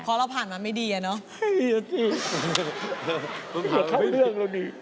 เพราะเราผ่านมาไม่ดีอะเนาะ